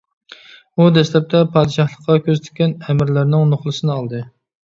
ئۇ دەسلەپتە پادىشاھلىققا كۆز تىككەن ئەمىرلەرنىڭ نوخلىسىنى ئالدى.